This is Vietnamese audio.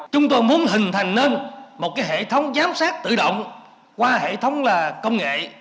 chúng tôi muốn hình thành nên một hệ thống giám sát tự động qua hệ thống công nghệ